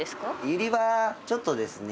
ユリはちょっとですね